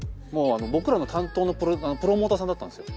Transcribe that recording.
僕らの担当のプロモーターさんだったんですよ。